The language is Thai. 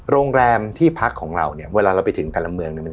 โรงแรมที่พักของเราเนี่ยเวลาเราไปถึงแต่ละเมืองเนี่ย